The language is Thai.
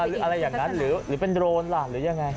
หรืออะไรอย่างนั้นหรือเป็นโรนล่ะหรือยังไง